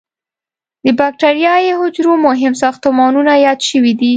د بکټریايي حجرو مهم ساختمانونه یاد شوي دي.